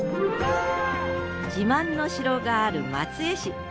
自慢の城がある松江市。